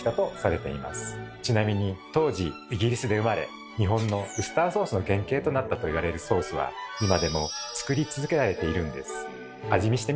ちなみに当時イギリスで生まれ日本のウスターソースの原形となったと言われるソースは今でも作り続けられているんです。